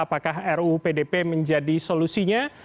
apakah ruu pdp menjadi solusinya